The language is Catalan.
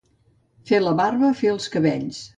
Fer la barba, fer els cabells.